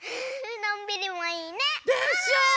のんびりもいいね。でしょ？